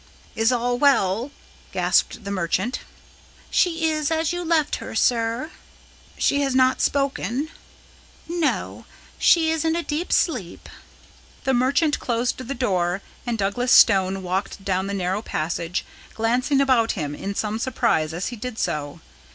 "Is all well?" gasped the merchant. "She is as you left her, sir." "She has not spoken?" "No, she is in a deep sleep." The merchant closed the door, and Douglas Stone walked down the narrow passage, glancing about him in some surprise as he did so.